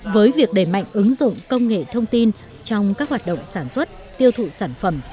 với việc đẩy mạnh ứng dụng công nghệ thông tin trong các hoạt động sản xuất tiêu thụ sản phẩm